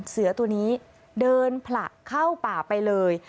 เสือตัวนี้เดินผละเข้าป่าไปเลย